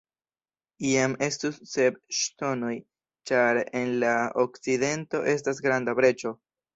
Iam estus sep ŝtonoj, ĉar en la okcidento estas granda breĉo.